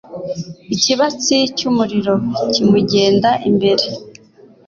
Ikibatsi cy’umuriro kimugenda imbere